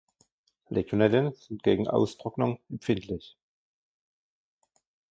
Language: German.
Legionellen sind gegen Austrocknung empfindlich.